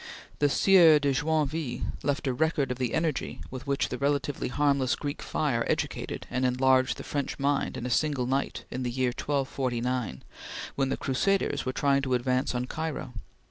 The Sieur de Joinville left a record of the energy with which the relatively harmless Greek fire educated and enlarged the French mind in a single night in the year 1249, when the crusaders were trying to advance on Cairo.